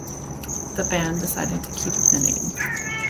The band decided to keep the name.